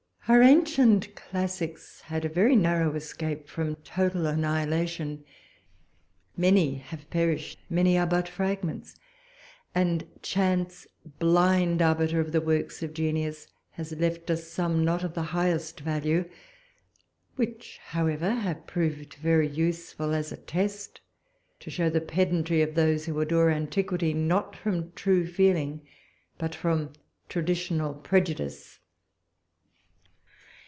Our ancient classics had a very narrow escape from total annihilation. Many have perished: many are but fragments; and chance, blind arbiter of the works of genius, has left us some, not of the highest value; which, however, have proved very useful, as a test to show the pedantry of those who adore antiquity not from true feeling, but from traditional prejudice.